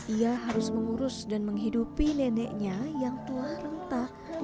ia harus mengurus dan menghidupi neneknya yang telah rentah